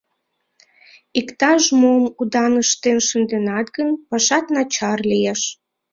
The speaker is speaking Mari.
Иктаж-мом удан ыштен шынденат гын, пашат начар лиеш!